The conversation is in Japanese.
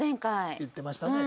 言ってましたね。